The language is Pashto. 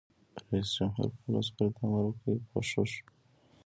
رئیس جمهور خپلو عسکرو ته امر وکړ؛ پوښښ!